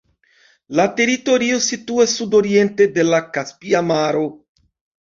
La teritorio situas sudoriente de la Kaspia Maro.